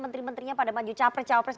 menteri menterinya pada maju capres cawapres